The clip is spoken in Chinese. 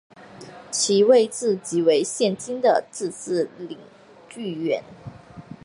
其位置即为现今的自治领剧院。